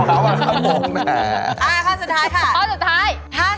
อ่าข้าวสุดท้ายค่ะข้าวสุดท้าย